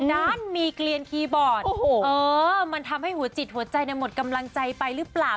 ด้านมีเกลียนคีย์บอร์ดมันทำให้หัวจิตหัวใจหมดกำลังใจไปหรือเปล่า